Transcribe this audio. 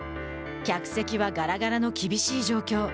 客席はがらがらの厳しい状況。